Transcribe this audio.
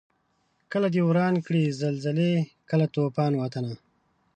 کله دي وران کړي زلزلې کله توپان وطنه